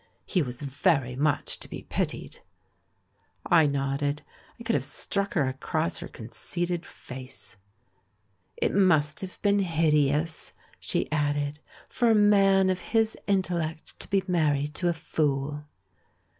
He was very much to be pitied." I nodded. I could have struck her across her conceited face. THE RECONCILIATION 375 "It must have been hideous," she added, "for a man of his intellect to be married to a fool."